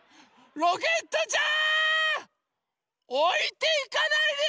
ロケットちゃん。